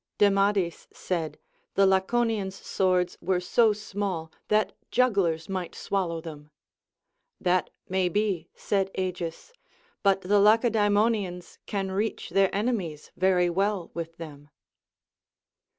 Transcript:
Demades said, the Laconians' swords were so small, that jugglers might swallow them. That may be, said Agis, but the Lacedaemonians can reach their enemies very well with them.